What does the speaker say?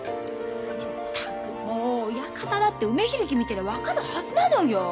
ったくもう親方だって梅響見てりゃ分かるはずなのよ。